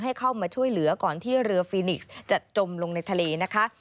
ให้เข้ามาช่วยเหลือก่อนที่เรือฟินิกส์จะจมลงในทะเลนะคะ